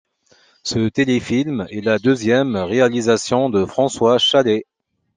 Ce téléfilm est la deuxième réalisation de François Chalais.